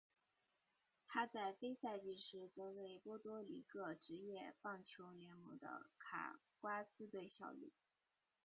他在非赛季时则为波多黎各职业棒球联盟的卡瓜斯队效力。